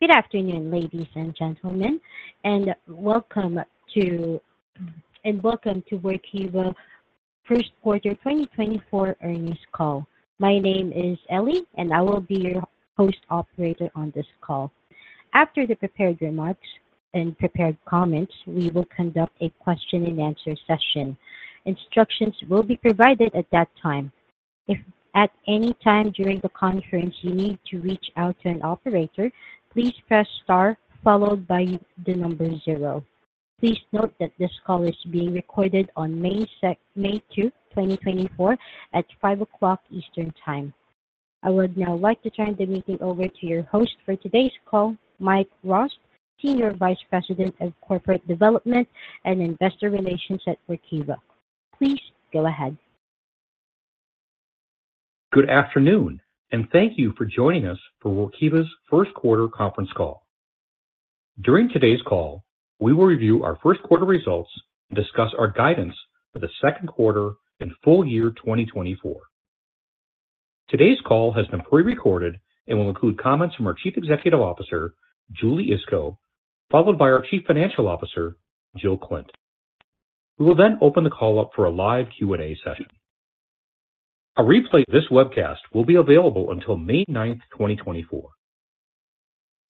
Good afternoon, ladies and gentlemen, and welcome to Workiva First Quarter 2024 Earnings Call. My name is Ellie, and I will be your host operator on this call. After the prepared remarks and prepared comments, we will conduct a question-and-answer session. Instructions will be provided at that time. If at any time during the conference you need to reach out to an operator, please press star followed by the number 0. Please note that this call is being recorded on May 2, 2024, at 5:00 P.M. Eastern Time. I would now like to turn the meeting over to your host for today's call, Mike Rost, Senior Vice President of Corporate Development and Investor Relations at Workiva. Please go ahead. Good afternoon, and thank you for joining us for Workiva's first quarter conference call. During today's call, we will review our first quarter results and discuss our guidance for the second quarter and full year 2024. Today's call has been prerecorded and will include comments from our Chief Executive Officer, Julie Iskow, followed by our Chief Financial Officer, Jill Klindt. We will then open the call up for a live Q&A session. A replay of this webcast will be available until May 9, 2024.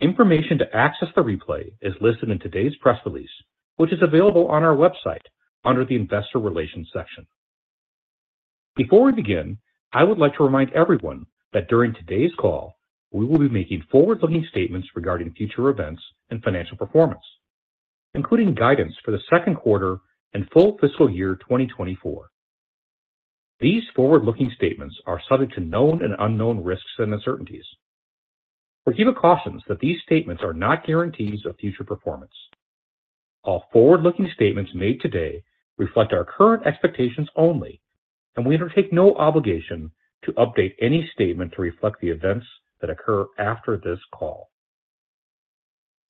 Information to access the replay is listed in today's press release, which is available on our website under the Investor Relations section. Before we begin, I would like to remind everyone that during today's call, we will be making forward-looking statements regarding future events and financial performance, including guidance for the second quarter and full fiscal year 2024. These forward-looking statements are subject to known and unknown risks and uncertainties. Workiva cautions that these statements are not guarantees of future performance. All forward-looking statements made today reflect our current expectations only, and we undertake no obligation to update any statement to reflect the events that occur after this call.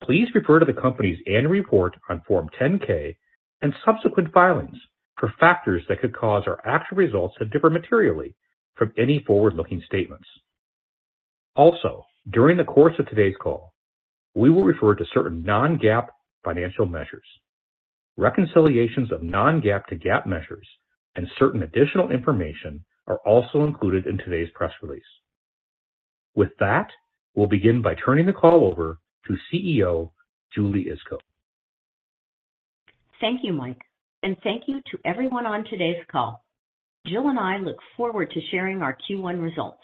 Please refer to the company's annual report on Form 10-K and subsequent filings for factors that could cause our actual results to differ materially from any forward-looking statements. Also, during the course of today's call, we will refer to certain non-GAAP financial measures. Reconciliations of non-GAAP to GAAP measures and certain additional information are also included in today's press release. With that, we'll begin by turning the call over to CEO Julie Iskow. Thank you, Mike, and thank you to everyone on today's call. Jill and I look forward to sharing our Q1 results.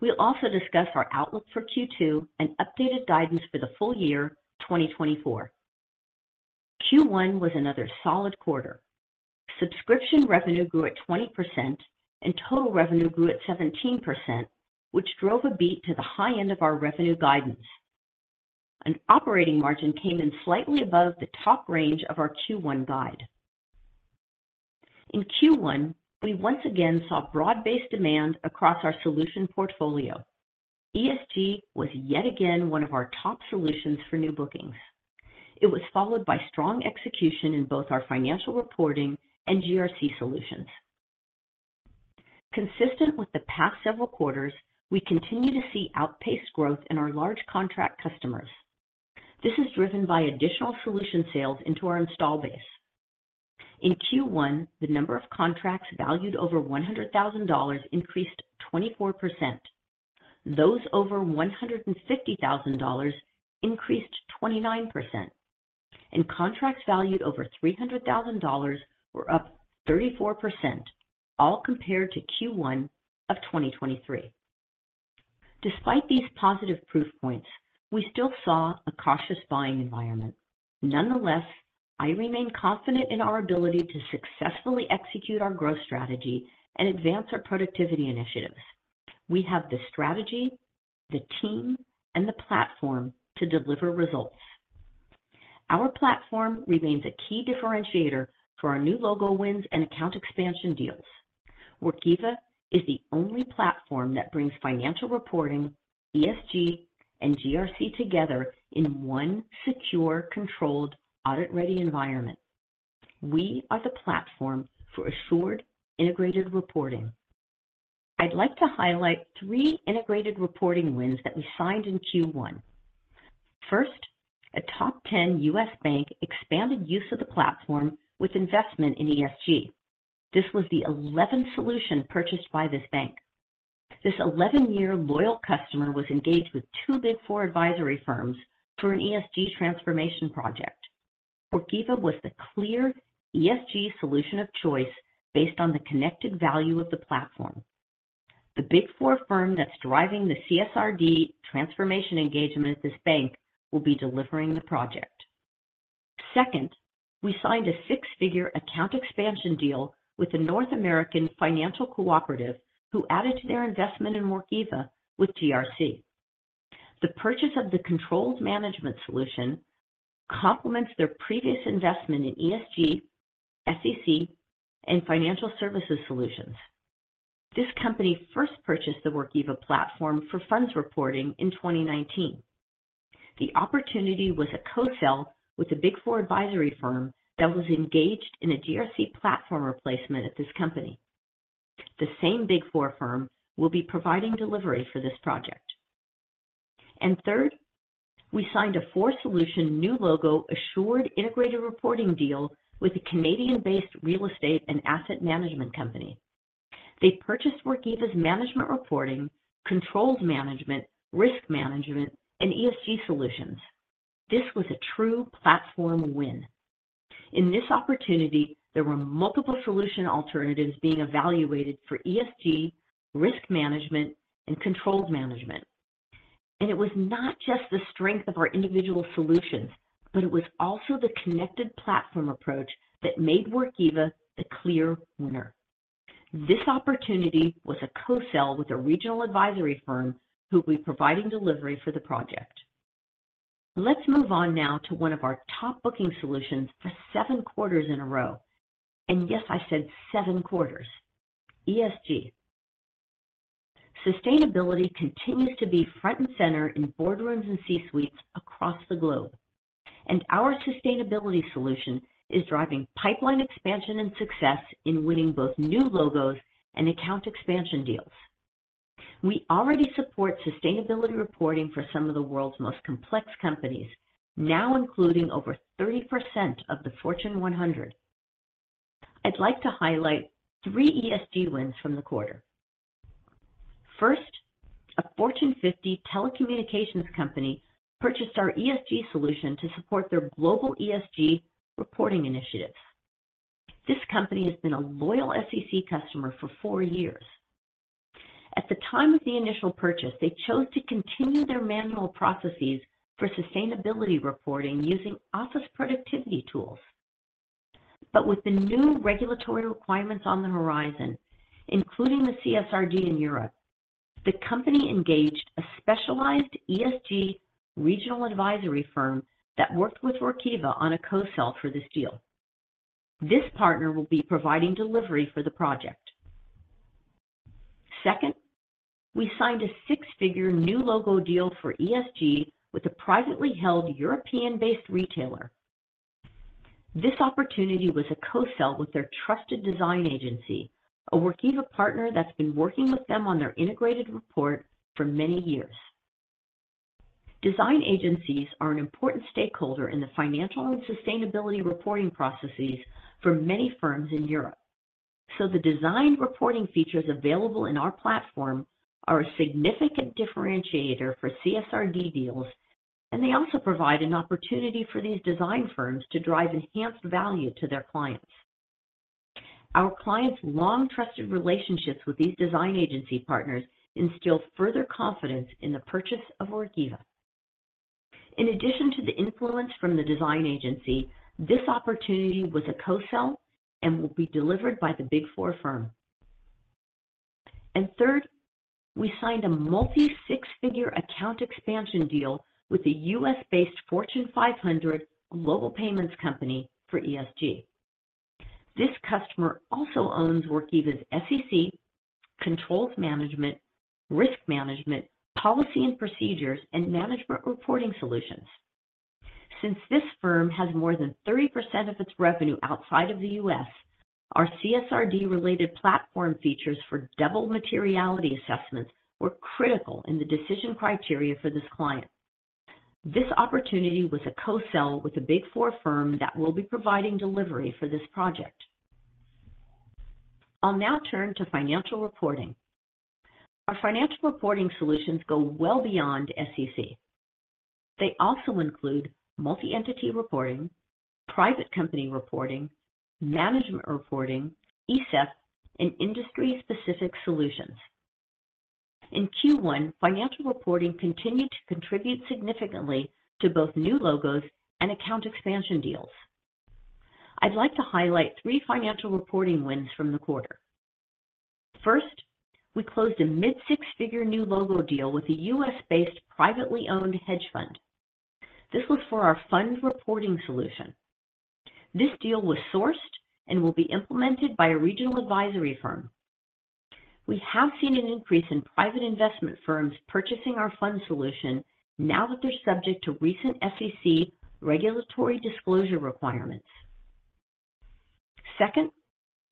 We'll also discuss our outlook for Q2 and updated guidance for the full year 2024. Q1 was another solid quarter. Subscription revenue grew at 20% and total revenue grew at 17%, which drove a beat to the high end of our revenue guidance. An operating margin came in slightly above the top range of our Q1 guide. In Q1, we once again saw broad-based demand across our solution portfolio. ESG was yet again one of our top solutions for new bookings. It was followed by strong execution in both our financial reporting and GRC solutions. Consistent with the past several quarters, we continue to see outpaced growth in our large contract customers. This is driven by additional solution sales into our install base. In Q1, the number of contracts valued over $100,000 increased 24%. Those over $150,000 increased 29%. Contracts valued over $300,000 were up 34%, all compared to Q1 of 2023. Despite these positive proof points, we still saw a cautious buying environment. Nonetheless, I remain confident in our ability to successfully execute our growth strategy and advance our productivity initiatives. We have the strategy, the team, and the platform to deliver results. Our platform remains a key differentiator for our new logo wins and account expansion deals. Workiva is the only platform that brings financial reporting, ESG, and GRC together in one secure, controlled, audit-ready environment. We are the platform for assured, integrated reporting. I'd like to highlight three integrated reporting wins that we signed in Q1. First, a top 10 U.S. bank expanded use of the platform with investment in ESG. This was the 11th solution purchased by this bank. This 11-year loyal customer was engaged with two Big Four advisory firms for an ESG transformation project. Workiva was the clear ESG solution of choice based on the connected value of the platform. The Big Four firm that's driving the CSRD transformation engagement at this bank will be delivering the project. Second, we signed a six-figure account expansion deal with a North American financial cooperative who added to their investment in Workiva with GRC. The purchase of the controls management solution complements their previous investment in ESG, SEC, and financial services solutions. This company first purchased the Workiva platform for funds reporting in 2019. The opportunity was a co-sell with a Big Four advisory firm that was engaged in a GRC platform replacement at this company. The same Big Four firm will be providing delivery for this project. And third, we signed a four-solution new logo assured integrated reporting deal with a Canadian-based real estate and asset management company. They purchased Workiva's management reporting, controls management, risk management, and ESG solutions. This was a true platform win. In this opportunity, there were multiple solution alternatives being evaluated for ESG, risk management, and controls management. And it was not just the strength of our individual solutions, but it was also the connected platform approach that made Workiva the clear winner. This opportunity was a co-sell with a regional advisory firm who'd be providing delivery for the project. Let's move on now to one of our top booking solutions for seven quarters in a row. And yes, I said seven quarters. ESG. Sustainability continues to be front and center in boardrooms and C-suites across the globe. Our sustainability solution is driving pipeline expansion and success in winning both new logos and account expansion deals. We already support sustainability reporting for some of the world's most complex companies, now including over 30% of the Fortune 100. I'd like to highlight three ESG wins from the quarter. First, a Fortune 50 telecommunications company purchased our ESG solution to support their global ESG reporting initiatives. This company has been a loyal SEC customer for four years. At the time of the initial purchase, they chose to continue their manual processes for sustainability reporting using office productivity tools. But with the new regulatory requirements on the horizon, including the CSRD in Europe, the company engaged a specialized ESG regional advisory firm that worked with Workiva on a co-sell for this deal. This partner will be providing delivery for the project. Second, we signed a six-figure new logo deal for ESG with a privately held European-based retailer. This opportunity was a co-sell with their trusted design agency, a Workiva partner that's been working with them on their integrated report for many years. Design agencies are an important stakeholder in the financial and sustainability reporting processes for many firms in Europe. So the design reporting features available in our platform are a significant differentiator for CSRD deals, and they also provide an opportunity for these design firms to drive enhanced value to their clients. Our clients' long-trusted relationships with these design agency partners instill further confidence in the purchase of Workiva. In addition to the influence from the design agency, this opportunity was a co-sell and will be delivered by the Big Four firm. And third, we signed a multi-six-figure account expansion deal with a US-based Fortune 500 global payments company for ESG. This customer also owns Workiva's SEC, controls management, risk management, policy and procedures, and management reporting solutions. Since this firm has more than 30% of its revenue outside of the US, our CSRD-related platform features for double materiality assessments were critical in the decision criteria for this client. This opportunity was a co-sell with a Big Four firm that will be providing delivery for this project. I'll now turn to financial reporting. Our financial reporting solutions go well beyond SEC. They also include multi-entity reporting, private company reporting, management reporting, ESEF, and industry-specific solutions. In Q1, financial reporting continued to contribute significantly to both new logos and account expansion deals. I'd like to highlight three financial reporting wins from the quarter. First, we closed a mid-six-figure new logo deal with a U.S.-based privately owned hedge fund. This was for our fund reporting solution. This deal was sourced and will be implemented by a regional advisory firm. We have seen an increase in private investment firms purchasing our fund solution now that they're subject to recent SEC regulatory disclosure requirements. Second,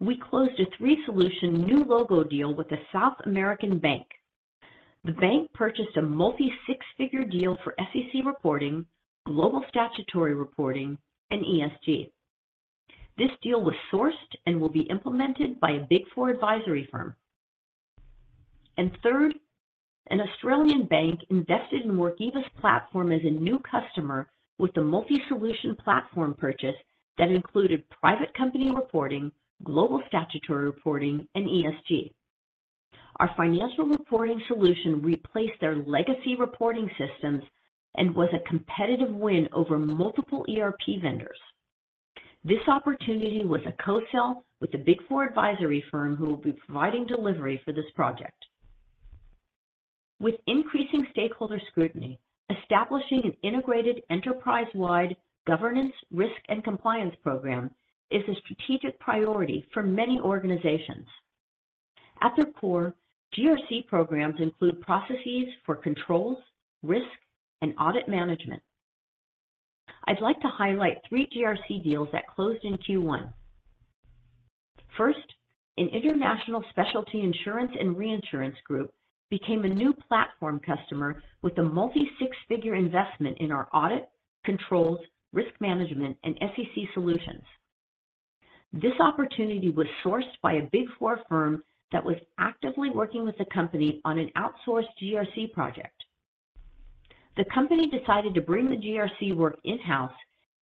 we closed a three-solution new logo deal with a South American bank. The bank purchased a multi-six-figure deal for SEC reporting, global statutory reporting, and ESG. This deal was sourced and will be implemented by a Big Four advisory firm. And third, an Australian bank invested in Workiva's platform as a new customer with the multi-solution platform purchase that included private company reporting, global statutory reporting, and ESG. Our financial reporting solution replaced their legacy reporting systems and was a competitive win over multiple ERP vendors. This opportunity was a co-sell with a Big Four advisory firm who will be providing delivery for this project. With increasing stakeholder scrutiny, establishing an integrated enterprise-wide governance, risk, and compliance program is a strategic priority for many organizations. At their core, GRC programs include processes for controls, risk, and audit management. I'd like to highlight 3 GRC deals that closed in Q1. First, an international specialty insurance and reinsurance group became a new platform customer with a multi-six-figure investment in our audit, controls, risk management, and SEC solutions. This opportunity was sourced by a Big Four firm that was actively working with the company on an outsourced GRC project. The company decided to bring the GRC work in-house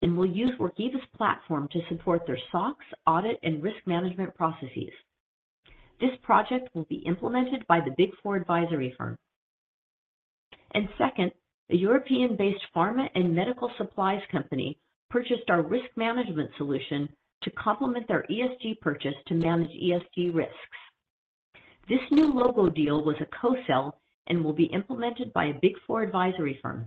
and will use Workiva's platform to support their SOX audit and risk management processes. This project will be implemented by the Big Four advisory firm. And second, a European-based pharma and medical supplies company purchased our risk management solution to complement their ESG purchase to manage ESG risks. This new logo deal was a co-sell and will be implemented by a Big Four advisory firm.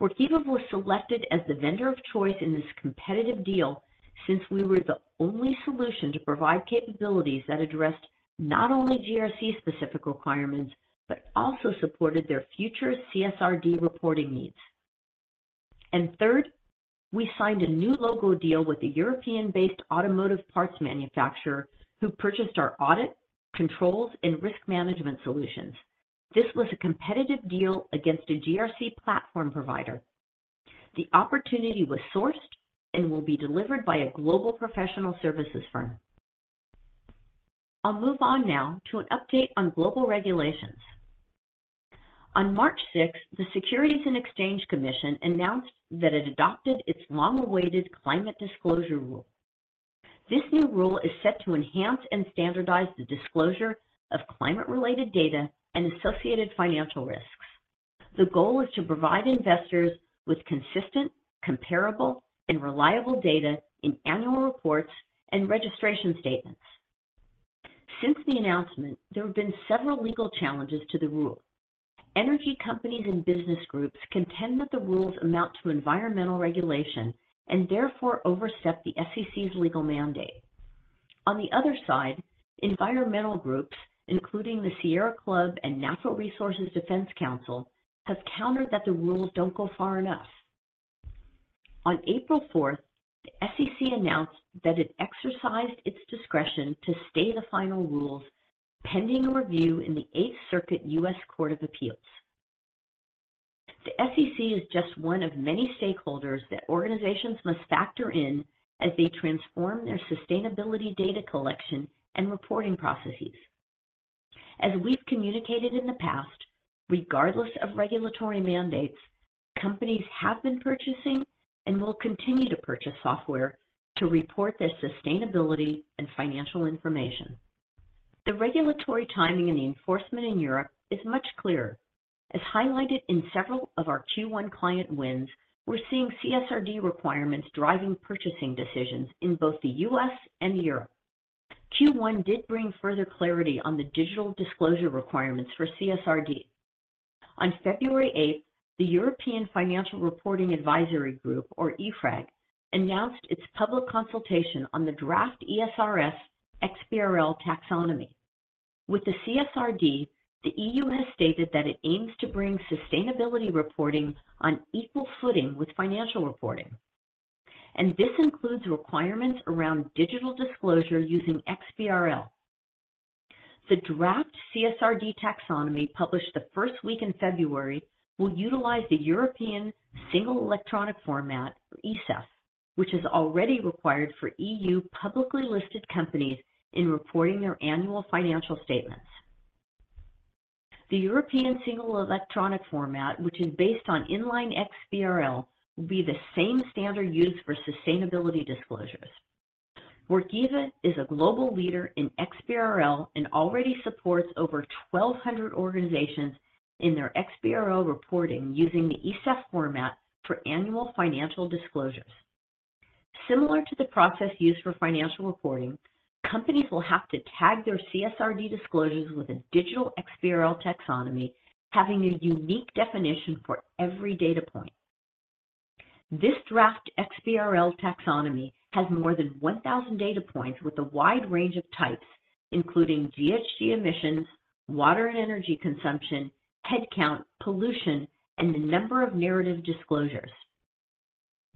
Workiva was selected as the vendor of choice in this competitive deal since we were the only solution to provide capabilities that addressed not only GRC-specific requirements but also supported their future CSRD reporting needs. And third, we signed a new logo deal with a European-based automotive parts manufacturer who purchased our audit, controls, and risk management solutions. This was a competitive deal against a GRC platform provider. The opportunity was sourced and will be delivered by a global professional services firm. I'll move on now to an update on global regulations. On March 6th, the Securities and Exchange Commission announced that it adopted its long-awaited climate disclosure rule. This new rule is set to enhance and standardize the disclosure of climate-related data and associated financial risks. The goal is to provide investors with consistent, comparable, and reliable data in annual reports and registration statements. Since the announcement, there have been several legal challenges to the rule. Energy companies and business groups contend that the rules amount to environmental regulation and therefore overstep the SEC's legal mandate. On the other side, environmental groups, including the Sierra Club and Natural Resources Defense Council, have countered that the rules don't go far enough. On April 4th, the SEC announced that it exercised its discretion to stay the final rules pending a review in the Eighth Circuit U.S. Court of Appeals. The SEC is just one of many stakeholders that organizations must factor in as they transform their sustainability data collection and reporting processes. As we've communicated in the past, regardless of regulatory mandates, companies have been purchasing and will continue to purchase software to report their sustainability and financial information. The regulatory timing and the enforcement in Europe is much clearer. As highlighted in several of our Q1 client wins, we're seeing CSRD requirements driving purchasing decisions in both the U.S. and Europe. Q1 did bring further clarity on the digital disclosure requirements for CSRD. On February 8th, the European Financial Reporting Advisory Group, or EFRAG, announced its public consultation on the draft ESRS/XBRL taxonomy. With the CSRD, the EU has stated that it aims to bring sustainability reporting on equal footing with financial reporting. This includes requirements around digital disclosure using XBRL. The draft CSRD taxonomy published the first week in February will utilize the European Single Electronic Format, or ESEF, which is already required for EU publicly listed companies in reporting their annual financial statements. The European Single Electronic Format, which is based on inline XBRL, will be the same standard used for sustainability disclosures. Workiva is a global leader in XBRL and already supports over 1,200 organizations in their XBRL reporting using the ESEF format for annual financial disclosures. Similar to the process used for financial reporting, companies will have to tag their CSRD disclosures with a digital XBRL taxonomy, having a unique definition for every data point. This draft XBRL taxonomy has more than 1,000 data points with a wide range of types, including GHG emissions, water and energy consumption, headcount, pollution, and the number of narrative disclosures.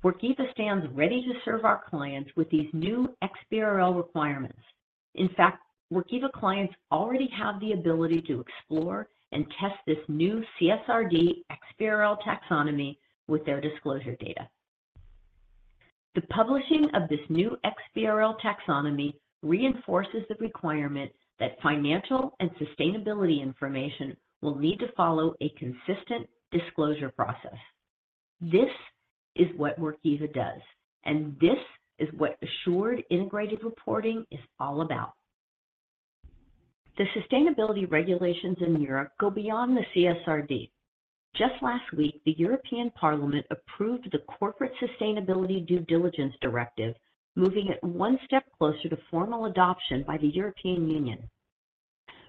Workiva stands ready to serve our clients with these new XBRL requirements. In fact, Workiva clients already have the ability to explore and test this new CSRD/XBRL taxonomy with their disclosure data. The publishing of this new XBRL taxonomy reinforces the requirement that financial and sustainability information will need to follow a consistent disclosure process. This is what Workiva does, and this is what assured integrated reporting is all about. The sustainability regulations in Europe go beyond the CSRD. Just last week, the European Parliament approved the Corporate Sustainability Due Diligence Directive, moving it one step closer to formal adoption by the European Union.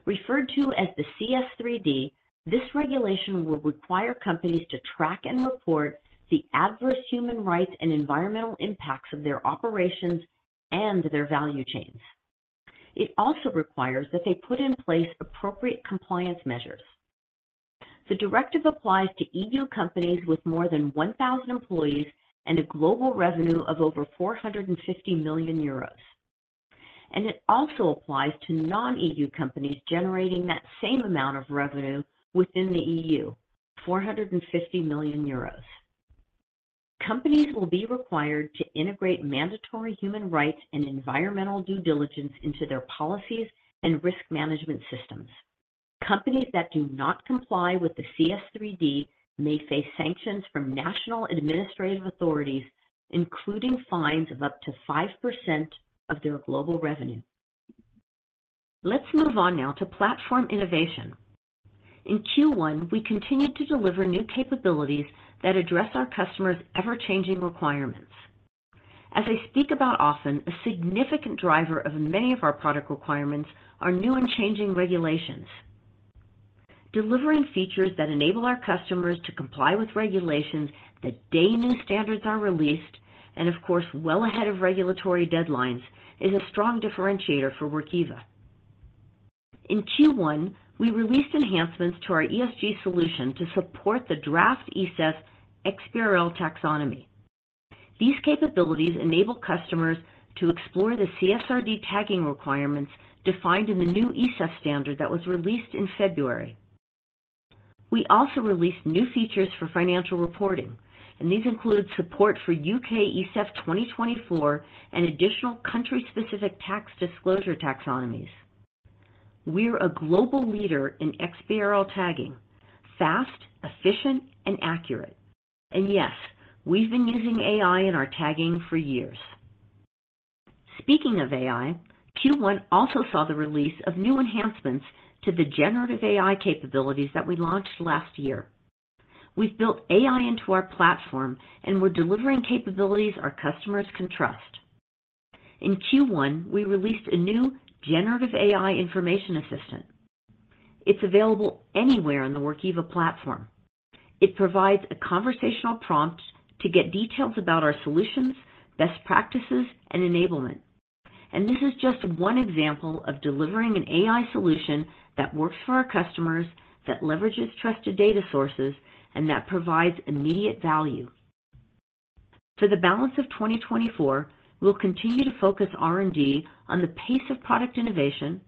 Referred to as the CS3D, this regulation will require companies to track and report the adverse human rights and environmental impacts of their operations and their value chains. It also requires that they put in place appropriate compliance measures. The directive applies to EU companies with more than 1,000 employees and a global revenue of over 450 million euros. It also applies to non-EU companies generating that same amount of revenue within the EU, 450 million euros. Companies will be required to integrate mandatory human rights and environmental due diligence into their policies and risk management systems. Companies that do not comply with the CS3D may face sanctions from national administrative authorities, including fines of up to 5% of their global revenue. Let's move on now to platform innovation. In Q1, we continue to deliver new capabilities that address our customers' ever-changing requirements. As I speak about often, a significant driver of many of our product requirements are new and changing regulations. Delivering features that enable our customers to comply with regulations the day new standards are released and, of course, well ahead of regulatory deadlines is a strong differentiator for Workiva. In Q1, we released enhancements to our ESG solution to support the draft ESEF/XBRL taxonomy. These capabilities enable customers to explore the CSRD tagging requirements defined in the new ESEF standard that was released in February. We also released new features for financial reporting, and these include support for UK ESEF 2024 and additional country-specific tax disclosure taxonomies. We're a global leader in XBRL tagging: fast, efficient, and accurate. And yes, we've been using AI in our tagging for years. Speaking of AI, Q1 also saw the release of new enhancements to the generative AI capabilities that we launched last year. We've built AI into our platform, and we're delivering capabilities our customers can trust. In Q1, we released a new generative AI information assistant. It's available anywhere in the Workiva platform. It provides a conversational prompt to get details about our solutions, best practices, and enablement. This is just one example of delivering an AI solution that works for our customers, that leverages trusted data sources, and that provides immediate value. For the balance of 2024, we'll continue to focus R&D on the pace of product innovation,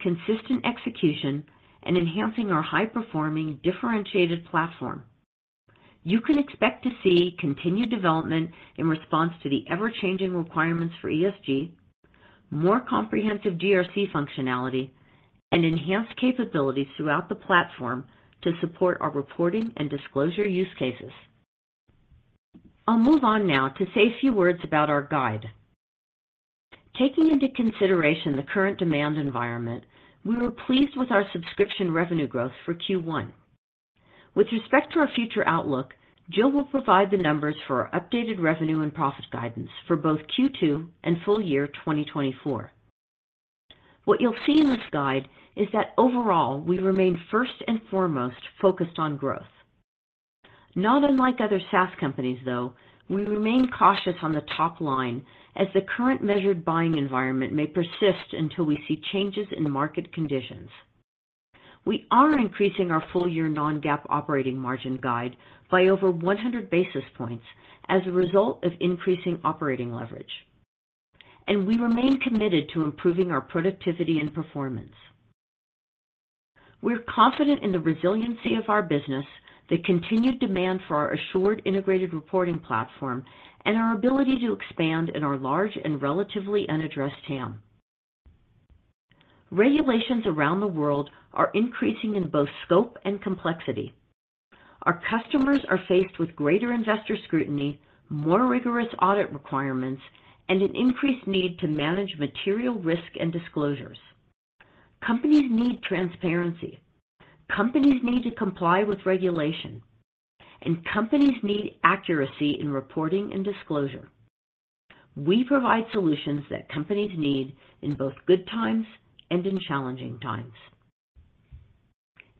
consistent execution, and enhancing our high-performing differentiated platform. You can expect to see continued development in response to the ever-changing requirements for ESG, more comprehensive GRC functionality, and enhanced capabilities throughout the platform to support our reporting and disclosure use cases. I'll move on now to say a few words about our guide. Taking into consideration the current demand environment, we were pleased with our subscription revenue growth for Q1. With respect to our future outlook, Jill will provide the numbers for our updated revenue and profit guidance for both Q2 and full year 2024. What you'll see in this guide is that overall, we remain first and foremost focused on growth. Not unlike other SaaS companies, though, we remain cautious on the top line as the current measured buying environment may persist until we see changes in market conditions. We are increasing our full year non-GAAP operating margin guide by over 100 basis points as a result of increasing operating leverage. We remain committed to improving our productivity and performance. We're confident in the resiliency of our business, the continued demand for our assured integrated reporting platform, and our ability to expand in our large and relatively unaddressed TAM. Regulations around the world are increasing in both scope and complexity. Our customers are faced with greater investor scrutiny, more rigorous audit requirements, and an increased need to manage material risk and disclosures. Companies need transparency. Companies need to comply with regulation. Companies need accuracy in reporting and disclosure. We provide solutions that companies need in both good times and in challenging times.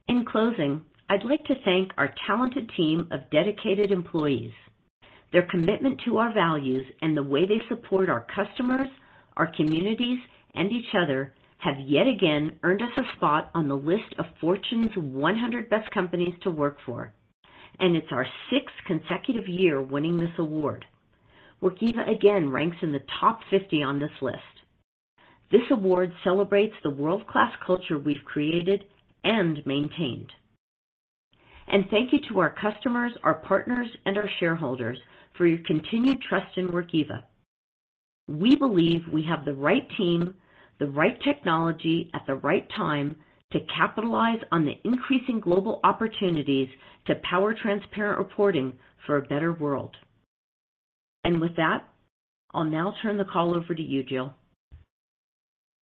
In closing, I'd like to thank our talented team of dedicated employees. Their commitment to our values and the way they support our customers, our communities, and each other have yet again earned us a spot on the list of Fortune's 100 Best Companies to Work For, and it's our sixth consecutive year winning this award. Workiva again ranks in the top 50 on this list. This award celebrates the world-class culture we've created and maintained. Thank you to our customers, our partners, and our shareholders for your continued trust in Workiva. We believe we have the right team, the right technology at the right time to capitalize on the increasing global opportunities to power transparent reporting for a better world. With that, I'll now turn the call over to you, Jill.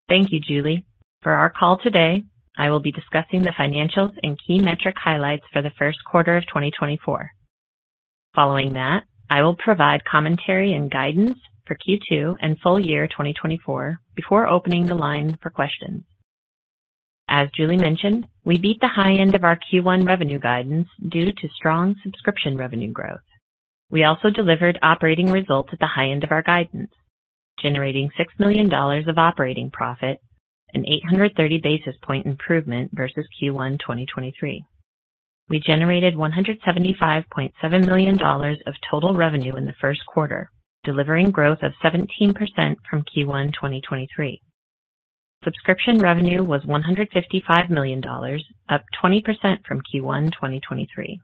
Thank you, Julie. For our call today, I will be discussing the financials and key metric highlights for the first quarter of 2024. Following that, I will provide commentary and guidance for Q2 and full year 2024 before opening the line for questions. As Julie mentioned, we beat the high end of our Q1 revenue guidance due to strong subscription revenue growth. We also delivered operating results at the high end of our guidance, generating $6 million of operating profit and 830 basis point improvement versus Q1 2023. We generated $175.7 million of total revenue in the first quarter, delivering growth of 17% from Q1 2023. Subscription revenue was $155 million, up 20% from Q1 2023.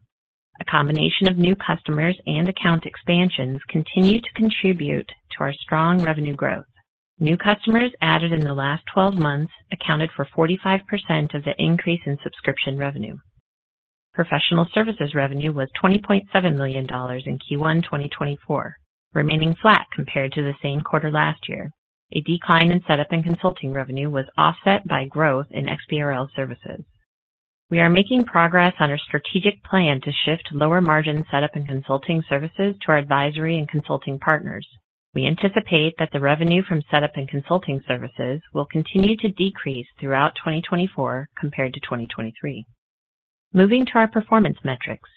A combination of new customers and account expansions continue to contribute to our strong revenue growth. New customers added in the last 12 months accounted for 45% of the increase in subscription revenue. Professional services revenue was $20.7 million in Q1 2024, remaining flat compared to the same quarter last year. A decline in setup and consulting revenue was offset by growth in XBRL services. We are making progress on our strategic plan to shift lower-margin setup and consulting services to our advisory and consulting partners. We anticipate that the revenue from setup and consulting services will continue to decrease throughout 2024 compared to 2023. Moving to our performance metrics.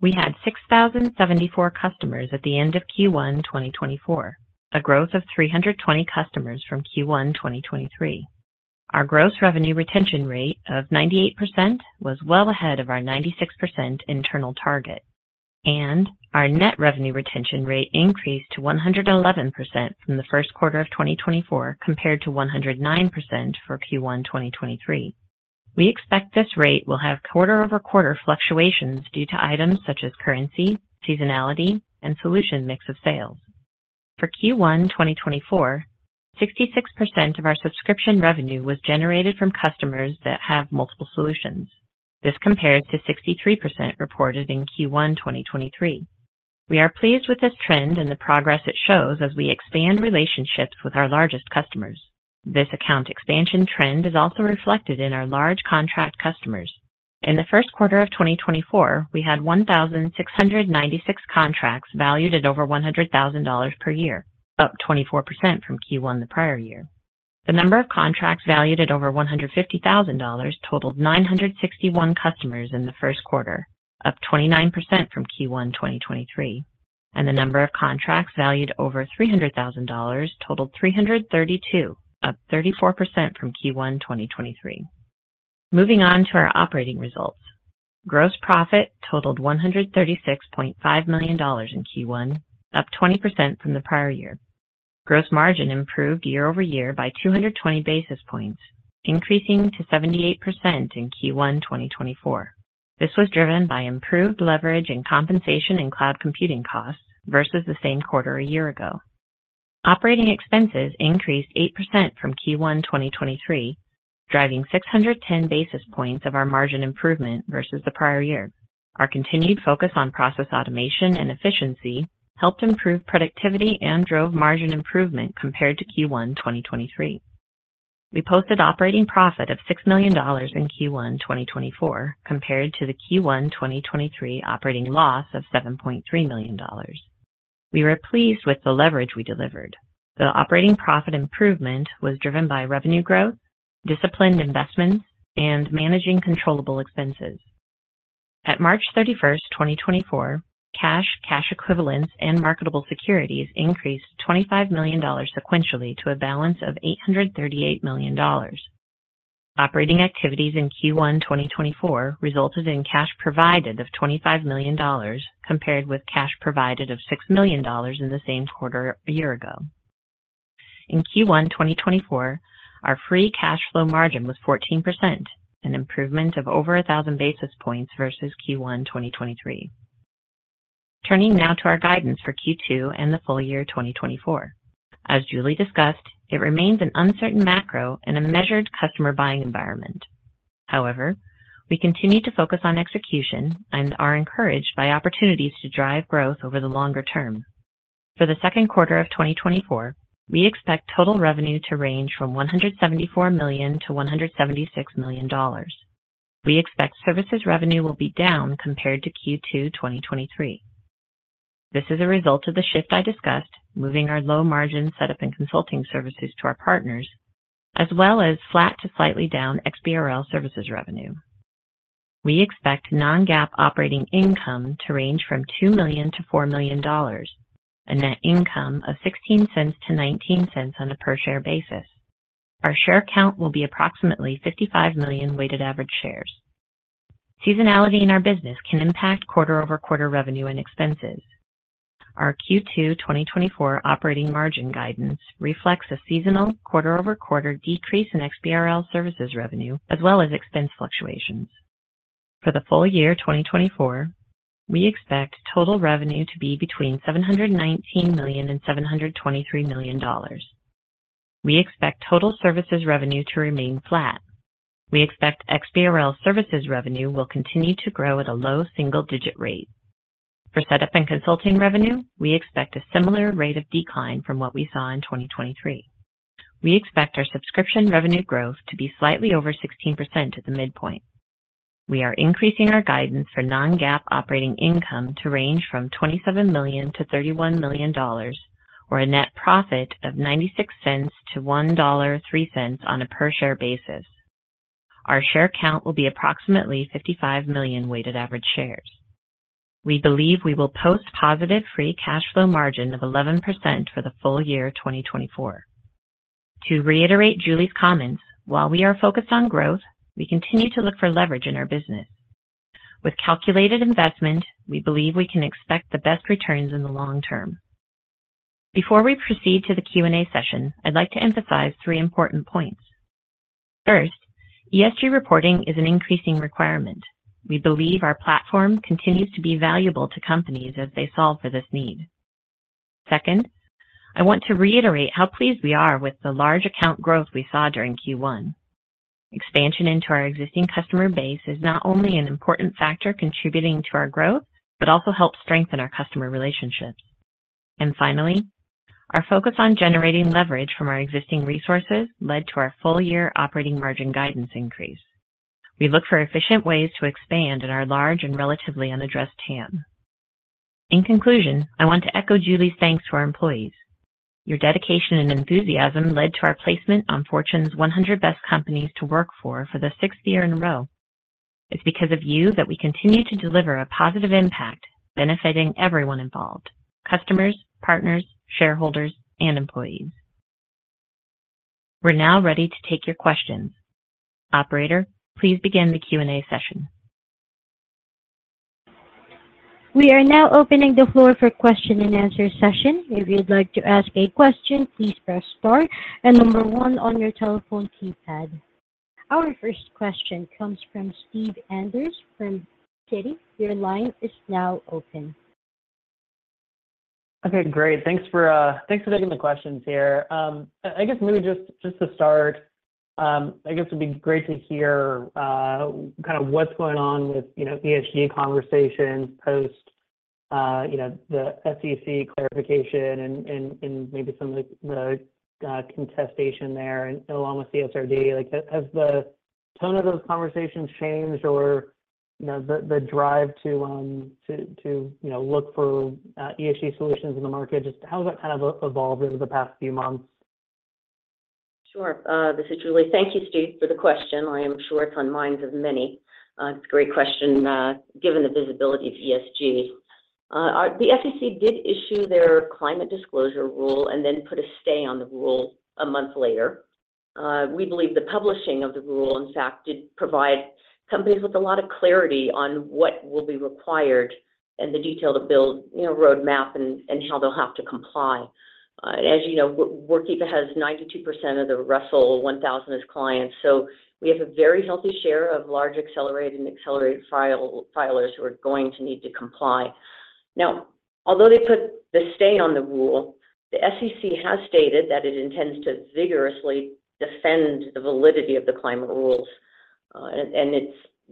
We had 6,074 customers at the end of Q1 2024, a growth of 320 customers from Q1 2023. Our gross revenue retention rate of 98% was well ahead of our 96% internal target. Our net revenue retention rate increased to 111% from the first quarter of 2024 compared to 109% for Q1 2023. We expect this rate will have quarter-over-quarter fluctuations due to items such as currency, seasonality, and solution mix of sales. For Q1 2024, 66% of our subscription revenue was generated from customers that have multiple solutions. This compares to 63% reported in Q1 2023. We are pleased with this trend and the progress it shows as we expand relationships with our largest customers. This account expansion trend is also reflected in our large contract customers. In the first quarter of 2024, we had 1,696 contracts valued at over $100,000 per year, up 24% from Q1 the prior year. The number of contracts valued at over $150,000 totaled 961 customers in the first quarter, up 29% from Q1 2023. The number of contracts valued over $300,000 totaled 332, up 34% from Q1 2023. Moving on to our operating results. Gross profit totaled $136.5 million in Q1, up 20% from the prior year. Gross margin improved year-over-year by 220 basis points, increasing to 78% in Q1 2024. This was driven by improved leverage and compensation in cloud computing costs versus the same quarter a year ago. Operating expenses increased 8% from Q1 2023, driving 610 basis points of our margin improvement versus the prior year. Our continued focus on process automation and efficiency helped improve productivity and drove margin improvement compared to Q1 2023. We posted operating profit of $6 million in Q1 2024 compared to the Q1 2023 operating loss of $7.3 million. We were pleased with the leverage we delivered. The operating profit improvement was driven by revenue growth, disciplined investments, and managing controllable expenses. At March 31st, 2024, cash, cash equivalents, and marketable securities increased $25 million sequentially to a balance of $838 million. Operating activities in Q1 2024 resulted in cash provided of $25 million compared with cash provided of $6 million in the same quarter a year ago. In Q1 2024, our free cash flow margin was 14%, an improvement of over 1,000 basis points versus Q1 2023. Turning now to our guidance for Q2 and the full year 2024. As Julie discussed, it remains an uncertain macro and a measured customer buying environment. However, we continue to focus on execution and are encouraged by opportunities to drive growth over the longer term. For the second quarter of 2024, we expect total revenue to range from $174 million-$176 million. We expect services revenue will be down compared to Q2 2023. This is a result of the shift I discussed, moving our low-margin setup and consulting services to our partners, as well as flat to slightly down XBRL services revenue. We expect non-GAAP operating income to range from $2 million-$4 million, a net income of $0.16-$0.19 on a per-share basis. Our share count will be approximately 55 million weighted average shares. Seasonality in our business can impact quarter-over-quarter revenue and expenses. Our Q2 2024 operating margin guidance reflects a seasonal, quarter-over-quarter decrease in XBRL services revenue as well as expense fluctuations. For the full year 2024, we expect total revenue to be between $719 million-$723 million. We expect total services revenue to remain flat. We expect XBRL services revenue will continue to grow at a low single-digit rate. For setup and consulting revenue, we expect a similar rate of decline from what we saw in 2023. We expect our subscription revenue growth to be slightly over 16% at the midpoint. We are increasing our guidance for non-GAAP operating income to range from $27 million to $31 million, or a net profit of $0.96-$1.03 on a per-share basis. Our share count will be approximately 55 million weighted average shares. We believe we will post positive free cash flow margin of 11% for the full year 2024. To reiterate Julie's comments, while we are focused on growth, we continue to look for leverage in our business. With calculated investment, we believe we can expect the best returns in the long term. Before we proceed to the Q&A session, I'd like to emphasize three important points. First, ESG reporting is an increasing requirement. We believe our platform continues to be valuable to companies as they solve for this need. Second, I want to reiterate how pleased we are with the large account growth we saw during Q1. Expansion into our existing customer base is not only an important factor contributing to our growth but also helps strengthen our customer relationships. And finally, our focus on generating leverage from our existing resources led to our full year operating margin guidance increase. We look for efficient ways to expand in our large and relatively unaddressed TAM. In conclusion, I want to echo Julie's thanks to our employees. Your dedication and enthusiasm led to our placement on Fortune's 100 Best Companies to Work For for the sixth year in a row. It's because of you that we continue to deliver a positive impact benefiting everyone involved: customers, partners, shareholders, and employees. We're now ready to take your questions. Operator, please begin the Q&A session. We are now opening the floor for question and answer session. If you'd like to ask a question, please press star and number one on your telephone keypad. Our first question comes from Steve Enders from Citi. Your line is now open. Okay. Great. Thanks for taking the questions here. I guess maybe just to start, I guess it'd be great to hear kind of what's going on with ESG conversations post the SEC clarification and maybe some of the contestation there along with CSRD. Has the tone of those conversations changed or the drive to look for ESG solutions in the market? Just how has that kind of evolved over the past few months? Sure. This is Julie. Thank you, Steve, for the question. I am sure it's on minds of many. It's a great question given the visibility of ESG. The SEC did issue their climate disclosure rule and then put a stay on the rule a month later. We believe the publishing of the rule, in fact, did provide companies with a lot of clarity on what will be required and the detailed roadmap and how they'll have to comply. And as you know, Workiva has 92% of the Russell 1,000 clients. So we have a very healthy share of large accelerated and accelerated filers who are going to need to comply. Now, although they put the stay on the rule, the SEC has stated that it intends to vigorously defend the validity of the climate rules. And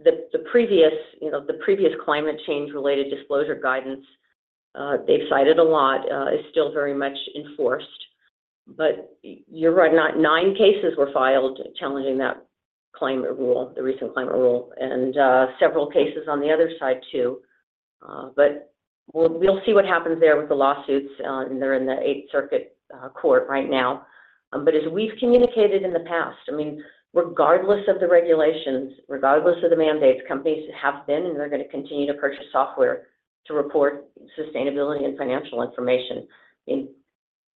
the previous climate change-related disclosure guidance they've cited a lot is still very much enforced. But you're right, 9 cases were filed challenging that recent climate rule, and several cases on the other side too. But we'll see what happens there with the lawsuits. They're in the Eighth Circuit U.S. Court of Appeals right now. But as we've communicated in the past, I mean, regardless of the regulations, regardless of the mandates, companies have been, and they're going to continue to purchase software to report sustainability and financial information. In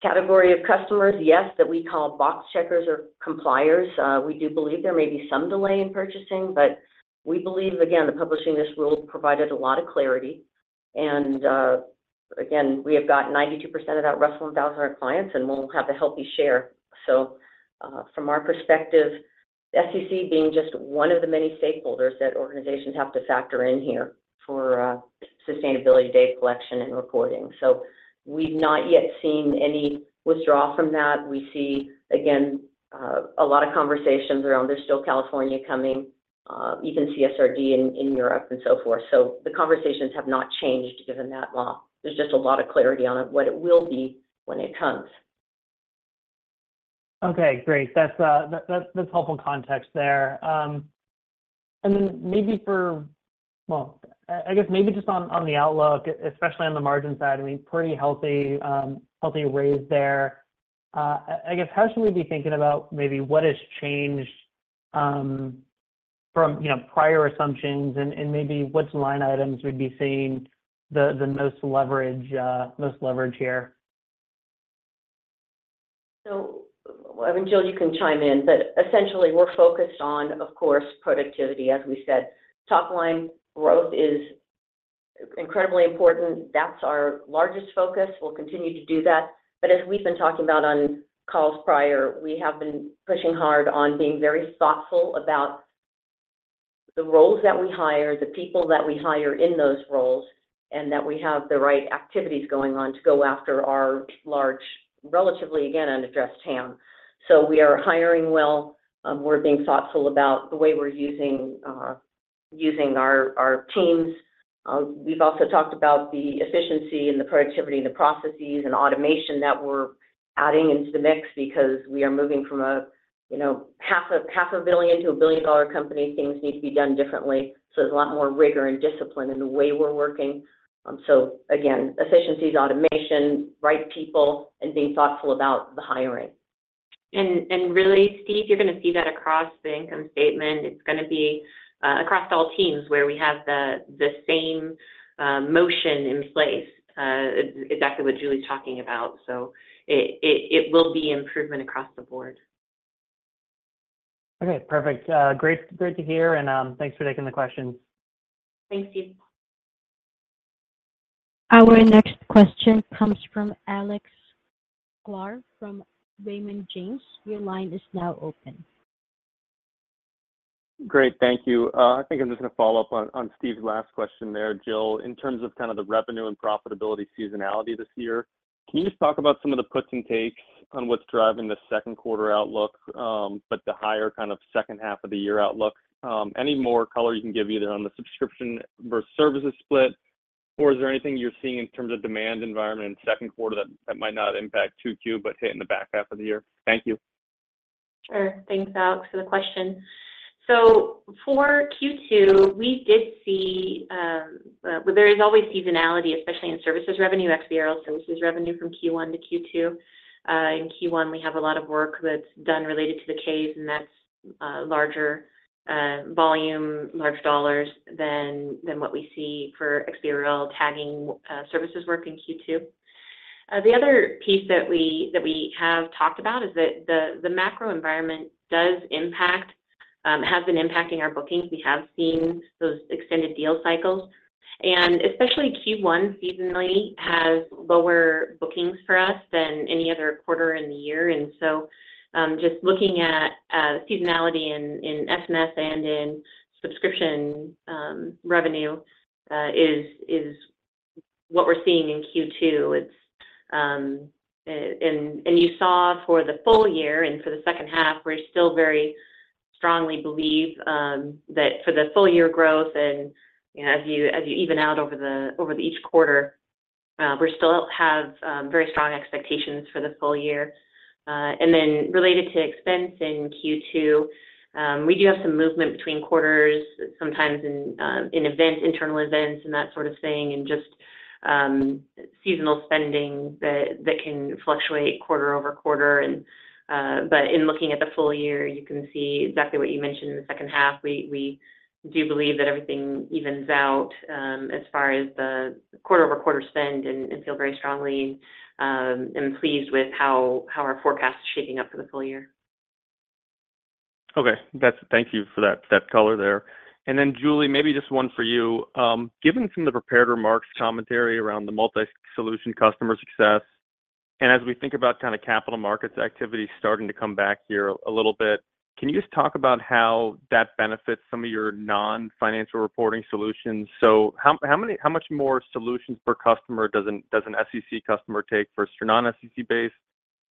the category of customers, yes, that we call box checkers or compliers, we do believe there may be some delay in purchasing. But we believe, again, the publishing of this rule provided a lot of clarity. And again, we have got 92% of that Russell 1000 clients, and we'll have a healthy share. So, from our perspective, the SEC being just one of the many stakeholders that organizations have to factor in here for sustainability data collection and reporting. We've not yet seen any withdrawal from that. We see, again, a lot of conversations around that there's still California coming, even CSRD in Europe, and so forth. The conversations have not changed given that law. There's just a lot of clarity on what it will be when it comes. Okay. Great. That's helpful context there. And then maybe for well, I guess maybe just on the outlook, especially on the margin side, I mean, pretty healthy raise there. I guess how should we be thinking about maybe what has changed from prior assumptions and maybe which line items we'd be seeing the most leverage here? So I mean, Jill, you can chime in. But essentially, we're focused on, of course, productivity, as we said. Topline growth is incredibly important. That's our largest focus. We'll continue to do that. But as we've been talking about on calls prior, we have been pushing hard on being very thoughtful about the roles that we hire, the people that we hire in those roles, and that we have the right activities going on to go after our large, relatively, again, unaddressed TAM. So we are hiring well. We're being thoughtful about the way we're using our teams. We've also talked about the efficiency and the productivity and the processes and automation that we're adding into the mix because we are moving from $500 million to a billion-dollar company. Things need to be done differently. So there's a lot more rigor and discipline in the way we're working. So again, efficiencies, automation, right people, and being thoughtful about the hiring. Really, Steve, you're going to see that across the income statement. It's going to be across all teams where we have the same motion in place, exactly what Julie's talking about. It will be improvement across the board. Okay. Perfect. Great to hear. Thanks for taking the questions. Thanks, Steve. Our next question comes from Alex Sklar from Raymond James. Your line is now open. Great. Thank you. I think I'm just going to follow up on Steve's last question there. Jill, in terms of kind of the revenue and profitability seasonality this year, can you just talk about some of the puts and takes on what's driving the second quarter outlook, but the higher kind of second half of the year outlook? Any more color you can give either on the subscription versus services split, or is there anything you're seeing in terms of demand environment in second quarter that might not impact Q2 but hit in the back half of the year? Thank you. Sure. Thanks, Alex, for the question. So for Q2, we did see there is always seasonality, especially in services revenue, XBRL services revenue from Q1 to Q2. In Q1, we have a lot of work that's done related to the Ks, and that's larger volume, large dollars than what we see for XBRL tagging services work in Q2. The other piece that we have talked about is that the macro environment has been impacting our bookings. We have seen those extended deal cycles. And especially Q1 seasonally has lower bookings for us than any other quarter in the year. And so just looking at seasonality in services and in subscription revenue is what we're seeing in Q2. You saw for the full year and for the second half, we're still very strongly believe that for the full year growth, and as you even out over each quarter, we still have very strong expectations for the full year. Then related to expense in Q2, we do have some movement between quarters, sometimes in internal events and that sort of thing, and just seasonal spending that can fluctuate quarter over quarter. But in looking at the full year, you can see exactly what you mentioned in the second half. We do believe that everything evens out as far as the quarter over quarter spend and feel very strongly pleased with how our forecast is shaping up for the full year. Okay. Thank you for that color there. And then, Julie, maybe just one for you. Given some of the prepared remarks, commentary around the multi-solution customer success, and as we think about kind of capital markets activity starting to come back here a little bit, can you just talk about how that benefits some of your non-financial reporting solutions? So how much more solutions per customer does an SEC customer take versus your non-SEC base?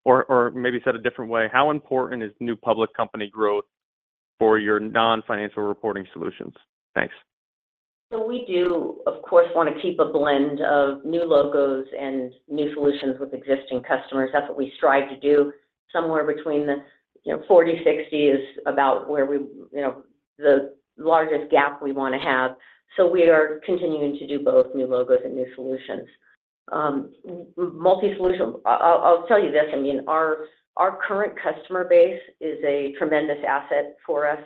Or maybe said a different way, how important is new public company growth for your non-financial reporting solutions? Thanks. So we do, of course, want to keep a blend of new logos and new solutions with existing customers. That's what we strive to do. Somewhere between 40-60 is about where the largest gap we want to have. So we are continuing to do both new logos and new solutions. I'll tell you this. I mean, our current customer base is a tremendous asset for us.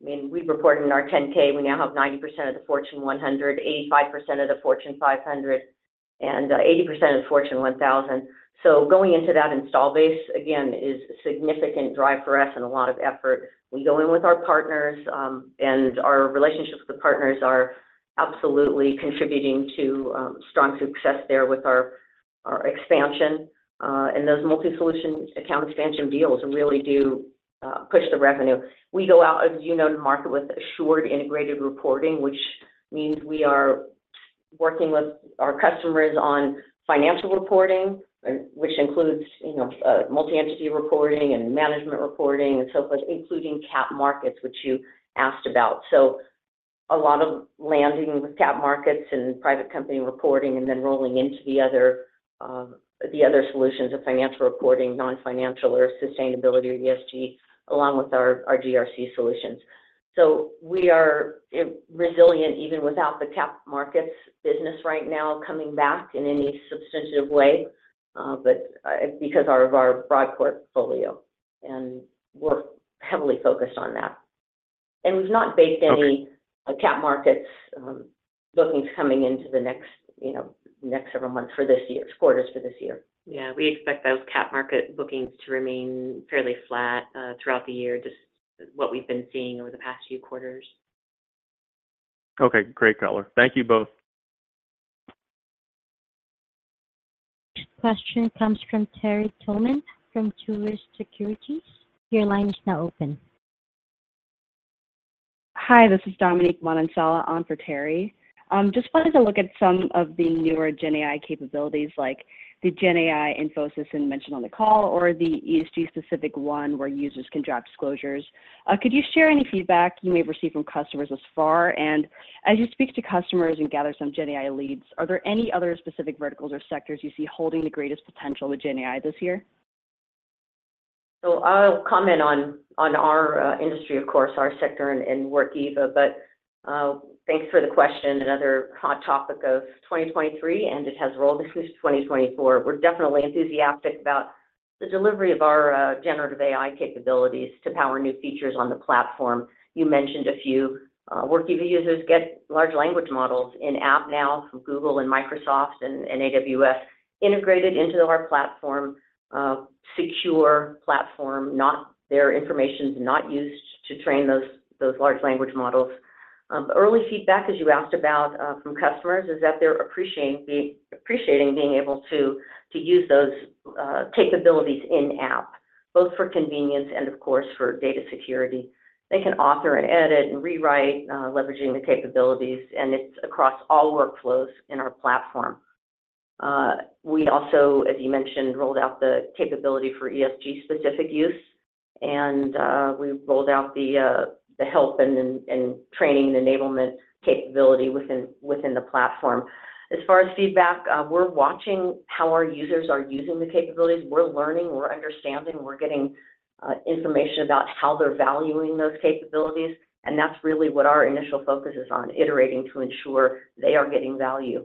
I mean, we report in our 10-K. We now have 90% of the Fortune 100, 85% of the Fortune 500, and 80% of the Fortune 1000. So going into that install base, again, is a significant drive for us and a lot of effort. We go in with our partners, and our relationships with the partners are absolutely contributing to strong success there with our expansion. And those multi-solution account expansion deals really do push the revenue. We go out of the market with assured integrated reporting, which means we are working with our customers on financial reporting, which includes multi-entity reporting and management reporting and so forth, including cap markets, which you asked about. So a lot of landing with cap markets and private company reporting and then rolling into the other solutions of financial reporting, non-financial or sustainability or ESG, along with our GRC solutions. So we are resilient even without the cap markets business right now coming back in any substantive way because of our broad portfolio. And we're heavily focused on that. And we've not baked any cap markets bookings coming into the next several months for this year, quarters for this year. Yeah. We expect those capital market bookings to remain fairly flat throughout the year, just what we've been seeing over the past few quarters. Okay. Great, Color. Thank you both. Next question comes from Terry Tillman from Truist Securities. Your line is now open. Hi. This is Dominique Manansala on for Terry. Just wanted to look at some of the newer GenAI capabilities like the GenAI information assistant I mentioned on the call or the ESG-specific one where users can drop disclosures. Could you share any feedback you may have received from customers thus far? And as you speak to customers and gather some GenAI leads, are there any other specific verticals or sectors you see holding the greatest potential with GenAI this year? So I'll comment on our industry, of course, our sector, and Workiva. But thanks for the question. Another hot topic of 2023, and it has rolled into 2024. We're definitely enthusiastic about the delivery of our generative AI capabilities to power new features on the platform. You mentioned a few. Workiva users get large language models in-app now from Google and Microsoft and AWS integrated into our platform, secure platform, their information's not used to train those large language models. Early feedback, as you asked about from customers, is that they're appreciating being able to use those capabilities in-app, both for convenience and, of course, for data security. They can author and edit and rewrite, leveraging the capabilities. And it's across all workflows in our platform. We also, as you mentioned, rolled out the capability for ESG-specific use. We rolled out the help and training and enablement capability within the platform. As far as feedback, we're watching how our users are using the capabilities. We're learning. We're understanding. We're getting information about how they're valuing those capabilities. That's really what our initial focus is on, iterating to ensure they are getting value.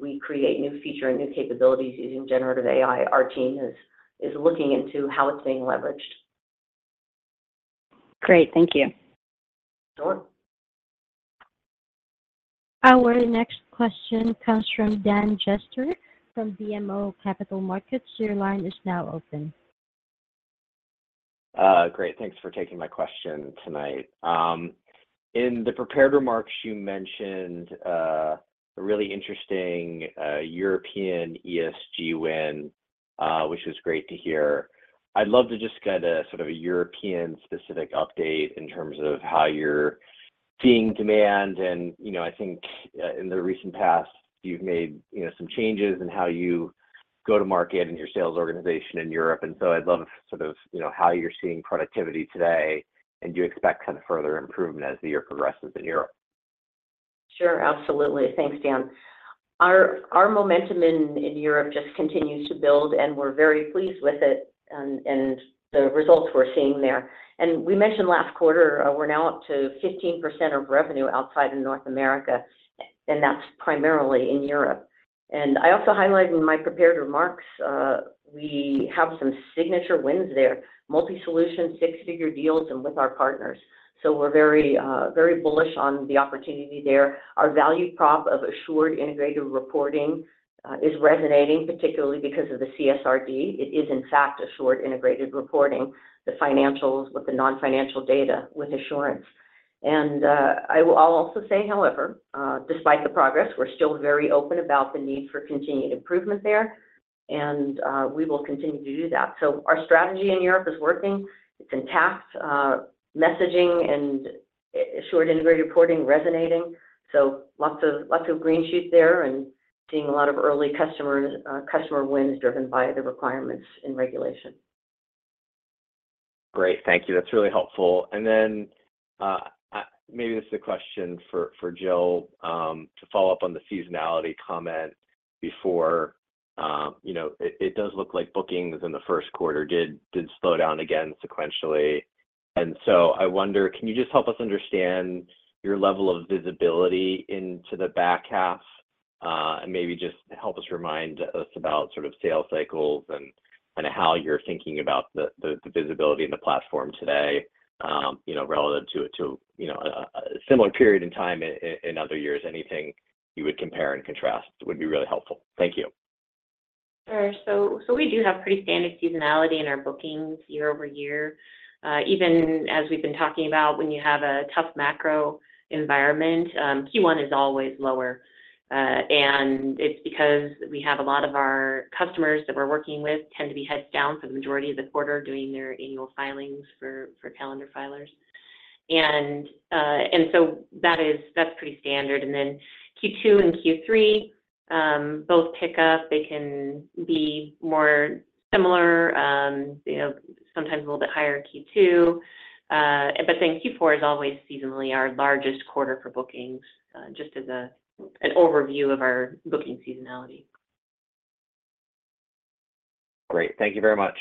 We create new feature and new capabilities using generative AI. Our team is looking into how it's being leveraged. Great. Thank you. Sure. Our next question comes from Dan Jester from BMO Capital Markets. Your line is now open. Great. Thanks for taking my question tonight. In the prepared remarks, you mentioned a really interesting European ESG win, which was great to hear. I'd love to just get a sort of a European-specific update in terms of how you're seeing demand. I think in the recent past, you've made some changes in how you go to market and your sales organization in Europe. So I'd love sort of how you're seeing productivity today, and do you expect kind of further improvement as the year progresses in Europe? Sure. Absolutely. Thanks, Dan. Our momentum in Europe just continues to build, and we're very pleased with it and the results we're seeing there. We mentioned last quarter, we're now up to 15% of revenue outside of North America, and that's primarily in Europe. I also highlight in my prepared remarks, we have some signature wins there, multi-solution, six-figure deals, and with our partners. So we're very bullish on the opportunity there. Our value prop of assured integrated reporting is resonating, particularly because of the CSRD. It is, in fact, assured integrated reporting, the financials with the non-financial data with assurance. I'll also say, however, despite the progress, we're still very open about the need for continued improvement there, and we will continue to do that. So our strategy in Europe is working. It's intact. Messaging and assured integrated reporting resonating. Lots of green shoots there and seeing a lot of early customer wins driven by the requirements and regulation. Great. Thank you. That's really helpful. And then maybe this is a question for Jill to follow up on the seasonality comment before. It does look like bookings in the first quarter did slow down again sequentially. And so I wonder, can you just help us understand your level of visibility into the back half? And maybe just help us remind us about sort of sales cycles and kind of how you're thinking about the visibility in the platform today relative to a similar period in time in other years. Anything you would compare and contrast would be really helpful. Thank you. Sure. So we do have pretty standard seasonality in our bookings year-over-year. Even as we've been talking about, when you have a tough macro environment, Q1 is always lower. It's because we have a lot of our customers that we're working with tend to be heads down for the majority of the quarter doing their annual filings for calendar filers. So that's pretty standard. Then Q2 and Q3 both pick up. They can be more similar, sometimes a little bit higher Q2. But then Q4 is always seasonally our largest quarter for bookings, just as an overview of our booking seasonality. Great. Thank you very much.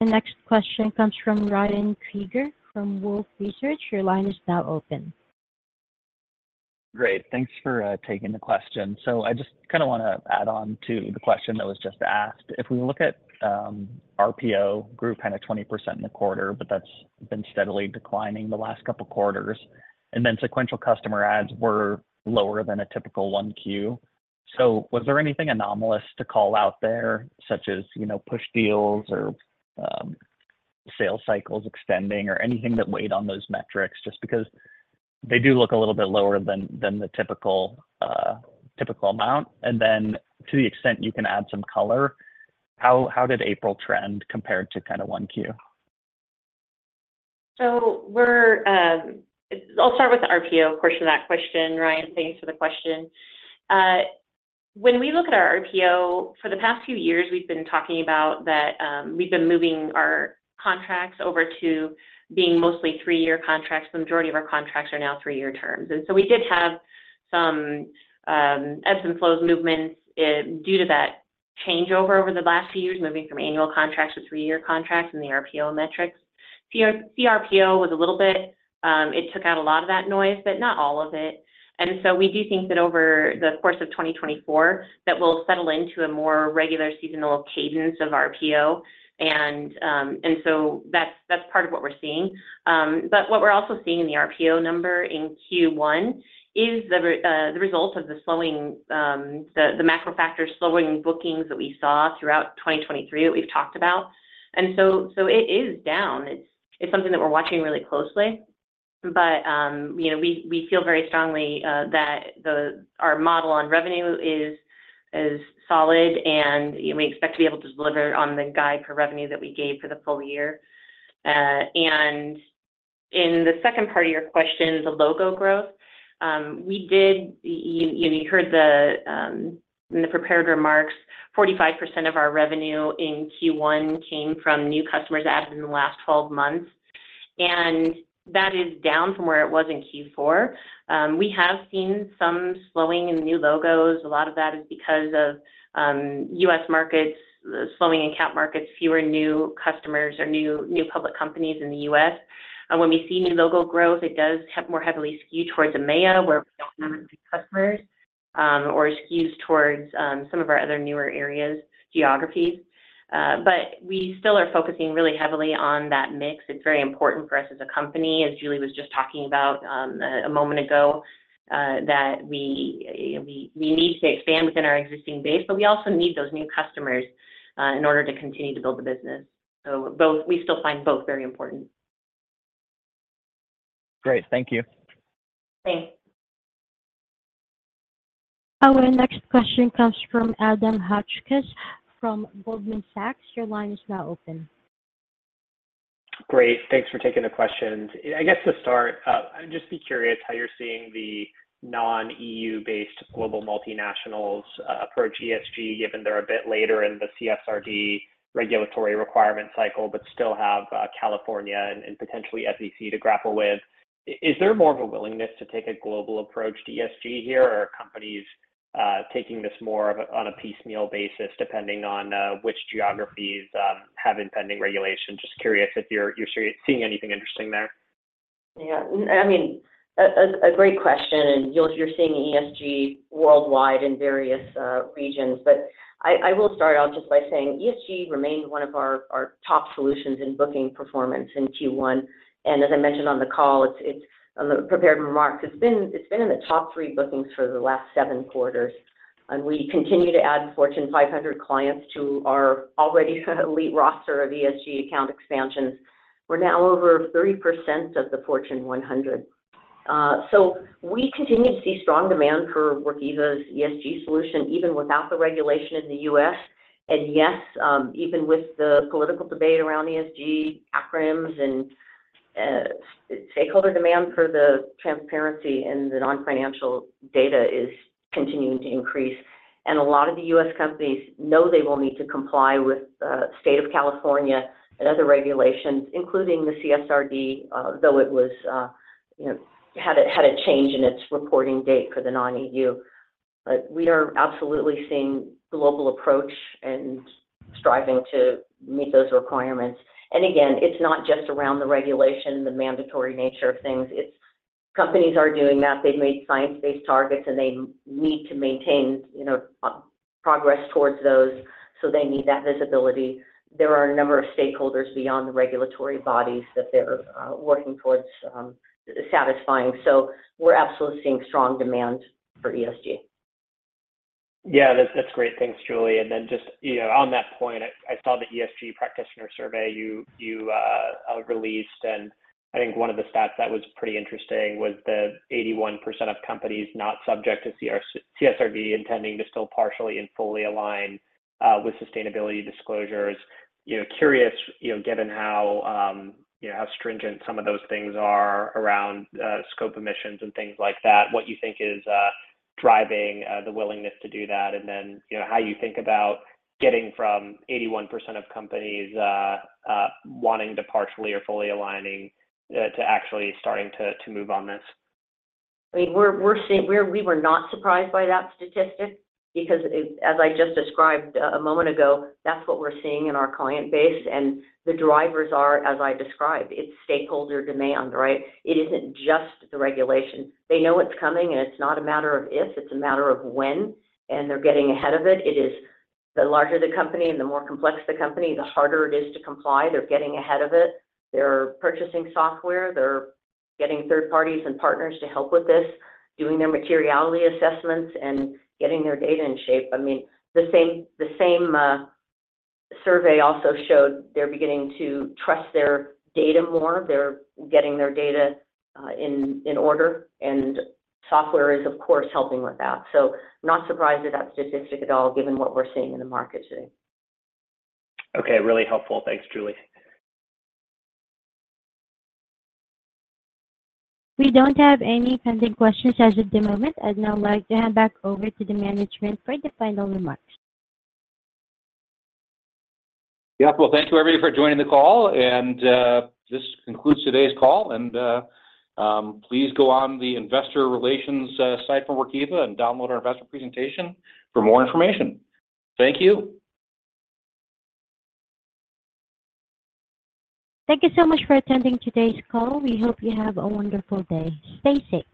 The next question comes from Ryan Krieger from Wolfe Research. Your line is now open. Great. Thanks for taking the question. So I just kind of want to add on to the question that was just asked. If we look at RPO, it grew kind of 20% in the quarter, but that's been steadily declining the last couple of quarters. And then sequential customer adds were lower than a typical Q1. So was there anything anomalous to call out there, such as pushed deals or sales cycles extending or anything that weighed on those metrics? Just because they do look a little bit lower than the typical amount. And then to the extent you can add some color, how did April trend compared to kind of Q1? So I'll start with the RPO portion of that question, Ryan. Thanks for the question. When we look at our RPO, for the past few years, we've been talking about that we've been moving our contracts over to being mostly three-year contracts. The majority of our contracts are now three-year terms. And so we did have some ebbs and flows movements due to that changeover over the last few years, moving from annual contracts to three-year contracts in the RPO metrics. CRPO was a little bit it took out a lot of that noise, but not all of it. And so we do think that over the course of 2024, that will settle into a more regular seasonal cadence of RPO. And so that's part of what we're seeing. But what we're also seeing in the RPO number in Q1 is the result of the macro factor slowing bookings that we saw throughout 2023 that we've talked about. And so it is down. It's something that we're watching really closely. But we feel very strongly that our model on revenue is solid, and we expect to be able to deliver on the guidance for revenue that we gave for the full year. And in the second part of your question, the logo growth, as you heard in the prepared remarks, 45% of our revenue in Q1 came from new customers added in the last 12 months. And that is down from where it was in Q4. We have seen some slowing in new logos. A lot of that is because of U.S. markets slowing in capital markets, fewer new customers or new public companies in the U.S. When we see new logo growth, it does more heavily skew towards EMEA where we don't have as many customers or skews towards some of our other newer areas, geographies. But we still are focusing really heavily on that mix. It's very important for us as a company, as Julie was just talking about a moment ago, that we need to expand within our existing base, but we also need those new customers in order to continue to build the business. So we still find both very important. Great. Thank you. Thanks. Our next question comes from Adam Hotchkiss from Goldman Sachs. Your line is now open. Great. Thanks for taking the questions. I guess to start, I'd just be curious how you're seeing the non-EU-based global multinationals approach ESG, given they're a bit later in the CSRD regulatory requirement cycle but still have California and potentially SEC to grapple with. Is there more of a willingness to take a global approach to ESG here, or are companies taking this more on a piecemeal basis depending on which geographies have impending regulation? Just curious if you're seeing anything interesting there? Yeah. I mean, a great question. You're seeing ESG worldwide in various regions. I will start out just by saying ESG remains one of our top solutions in booking performance in Q1. As I mentioned on the call in the prepared remarks, it's been in the top three bookings for the last seven quarters. We continue to add Fortune 500 clients to our already elite roster of ESG account expansions. We're now over 30% of the Fortune 100. We continue to see strong demand for Workiva's ESG solution even without the regulation in the U.S. Yes, even with the political debate around ESG acronyms and stakeholder demand for the transparency and the non-financial data is continuing to increase. A lot of the U.S. companies know they will need to comply with the state of California and other regulations, including the CSRD, though it had a change in its reporting date for the non-EU But we are absolutely seeing a global approach and striving to meet those requirements. And again, it's not just around the regulation, the mandatory nature of things. Companies are doing that. They've made science-based targets, and they need to maintain progress towards those. So they need that visibility. There are a number of stakeholders beyond the regulatory bodies that they're working towards satisfying. So we're absolutely seeing strong demand for ESG. Yeah. That's great. Thanks, Julie. And then just on that point, I saw the ESG practitioner survey you released. And I think one of the stats that was pretty interesting was the 81% of companies not subject to CSRD intending to still partially and fully align with sustainability disclosures. Curious, given how stringent some of those things are around scope emissions and things like that, what you think is driving the willingness to do that, and then how you think about getting from 81% of companies wanting to partially or fully align to actually starting to move on this. We were not surprised by that statistic because, as I just described a moment ago, that's what we're seeing in our client base. And the drivers are, as I described, it's stakeholder demand, right? It isn't just the regulation. They know it's coming, and it's not a matter of if. It's a matter of when. And they're getting ahead of it. The larger the company and the more complex the company, the harder it is to comply. They're getting ahead of it. They're purchasing software. They're getting third parties and partners to help with this, doing their materiality assessments and getting their data in shape. I mean, the same survey also showed they're beginning to trust their data more. They're getting their data in order. And software is, of course, helping with that. So not surprised at that statistic at all, given what we're seeing in the market today. Okay. Really helpful. Thanks, Julie. We don't have any pending questions as of the moment. I'd now like to hand back over to the management for the final remarks. Yeah. Well, thank you, everybody, for joining the call. This concludes today's call. Please go on the investor relations site for Workiva and download our investor presentation for more information. Thank you. Thank you so much for attending today's call. We hope you have a wonderful day. Stay safe.